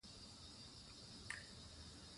دا فشار د غیرت چغې شاعرۍ سبب شو.